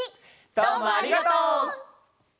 どうもありがとう！